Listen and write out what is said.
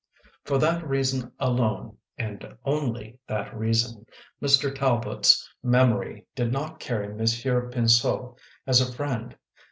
For that reason alone, and only that reason, Mr. Talbot s memory did not carry Monsieur Pinseau as a friend.